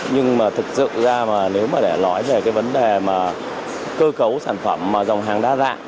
nhưng mà thực sự ra mà nếu mà để nói về cái vấn đề mà cơ cấu sản phẩm dòng hàng đa dạng